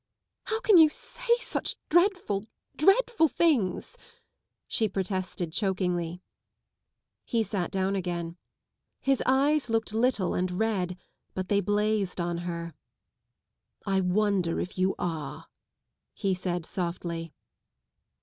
" How can you say such dreadful, dreadful things! " she protested, chokingly. He sat down again. His eyes looked little and red, but they blazed on her. *' I wonder if you are," he said softly.